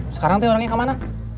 sekarang itu orangnya kemana